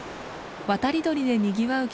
渡り鳥でにぎわう